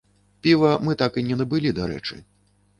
Піва мы так і не набылі, дарэчы.